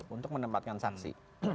untuk menempatkan saksi